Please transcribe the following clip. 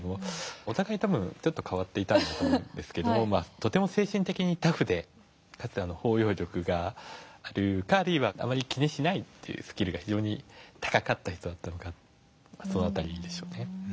お互い多分ちょっと変わっていたと思うんですけどとても精神的にタフでかつ包容力があるかあるいはあまり気にしないというスキルが非常に高かった人かその辺りでしょうね。